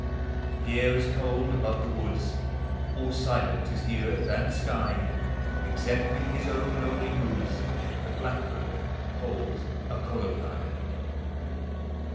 The air is cold above the woods ; All silent is the earth and skv, Except with his own lonely moods The blackbird holds a colloquy.